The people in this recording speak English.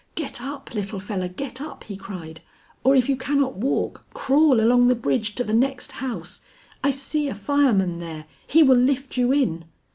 "Get up, little feller, get up," he cried, "or if you cannot walk, crawl along the bridge to the next house. I see a fireman there; he will lift you in."